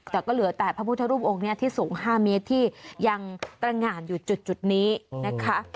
แต่ก็เหลือแต่พระพุทธรูปองค์นี้ที่สูง๕เมตรที่ยังตรงานอยู่จุดนี้นะคะ